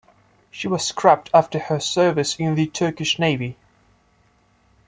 She was scrapped after her service in the Turkish Navy.